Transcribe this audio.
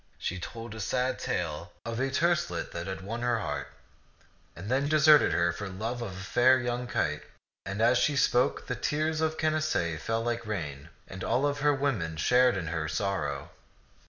She told a sad tale of a terce let that had won her heart, and then deserted her for love of a fair young kite ; and as she spoke, the tears of Canacee fell like rain, and all her women shared in her sorrow.